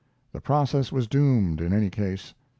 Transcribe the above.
The process was doomed, in any case.